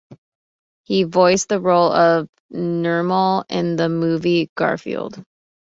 He voiced the role of Nermal in the movie, "Garfield".